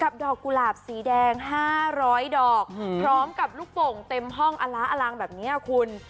ดอกกุหลาบสีแดง๕๐๐ดอกพร้อมกับลูกโป่งเต็มห้องอล้าอลังแบบนี้คุณ